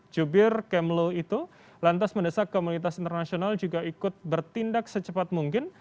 jubir kemlo itu lantas mendesak komunitas internasional juga ikut bertindak secepat mungkin